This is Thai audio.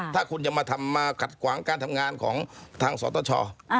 ถ้าคุณจะมาทำมาขัดขวางการทำงานของทางสตช